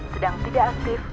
sedang tidak aktif